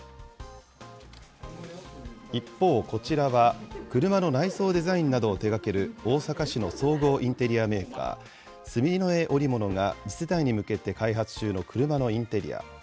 一方、こちらは車の内装デザインなどを手がける大阪市の総合インテリアメーカー、住江織物が次世代に向けて開発中の車のインテリア。